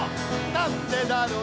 なんでだろう